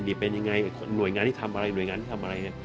นอนหน่วยงานที่ทำอะไร